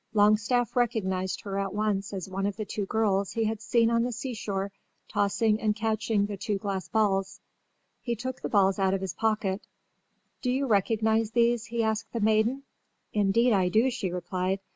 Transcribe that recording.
Longstaff recognized her at once as one of the two girls he had seen on the seashore tossing and catching the two glass balls. He took the balls out of his pocket. "Do you recognize these?" he asked the maiden. "Indeed I do," she replied.